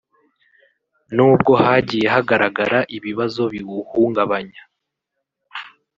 n’ubwo hagiye hagaragara ibibazo biwuhungabanya